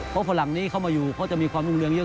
เพราะฝรั่งนี้เข้ามาอยู่เขาจะมีความรุ่งเรืองเยอะ